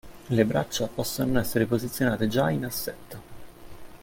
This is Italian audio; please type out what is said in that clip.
Le braccia possono essere posizionate già in assetto.